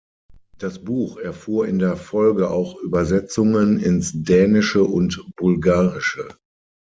Das Buch erfuhr in der Folge auch Übersetzungen ins Dänische und Bulgarische.